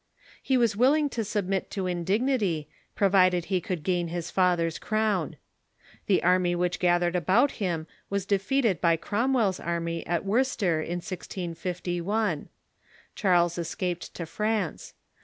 He was willing to submit to indignity, provided he could gain his father's crown. The army which gathered about him was defeated by Cromwell's army at Worcester in 1651, Charles escaped to France.